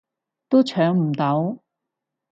都搶唔到